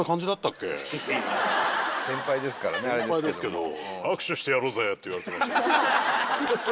先輩ですけど。